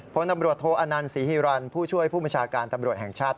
พตโทอนันสีฮิรันผู้ช่วยผู้ประชาการตำรวจแห่งชาติ